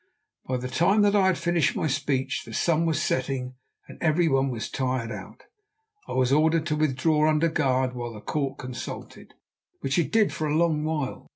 By the time that I had finished my speech the sun was setting and everyone was tired out. I was ordered to withdraw under guard, while the court consulted, which it did for a long while.